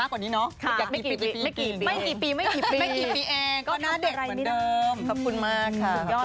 ขอบคุณมากค่ะ